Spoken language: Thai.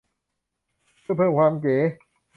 เพื่อเพิ่มความเก๋